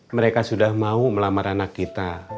mereka sudah mau melamar anak kita